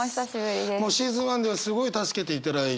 もうシーズン１ではすごい助けていただいて。